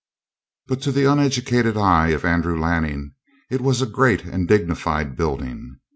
But to the uneducated eye of Andrew Lanning it was a great and dignified building.